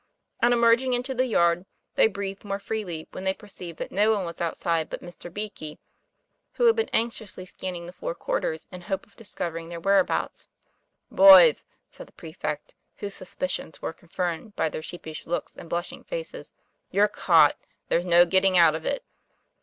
On emerging into the yard, they breathed more freely when they per ceived that no one was outside but Mr. Beakey, who had been anxiously scanning the four quarters in hope of discovering their whereabouts. "Boys, "said the prefect, whose suspicions were confirmed by their sheepish looks and blushing faces, "you're caught there's no getting out of it."